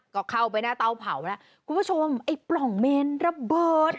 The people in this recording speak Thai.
ก็เข้าไปหน้าเตาเผาแล้วคุณผู้ชมไอ้ปล่องเมนระเบิด